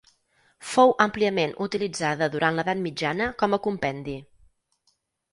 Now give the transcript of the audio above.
Fou àmpliament utilitzada durant l'edat mitjana com a compendi.